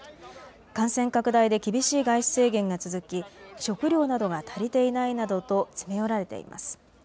感染拡大で厳しい外出制限が続き食料などが足りていないなどと詰め寄られています。